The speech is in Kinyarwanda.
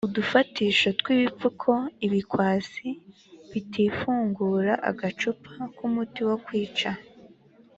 udufatisho tw ibipfuko ibikwasi bitifungura agacupa k umuti wo kwica